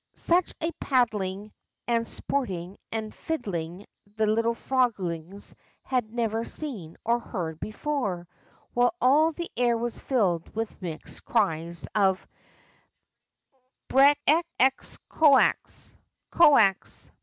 Such a paddling and a sporting and a fiddling the little froglings had never seen or heard be fore, while all the air was filled with mixed cries of: Brek ek ex co ax, co ax !